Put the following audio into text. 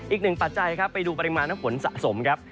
อีกหนึ่งปัจจัยนะครับไปดูปริมาณผลสะสมนะครับ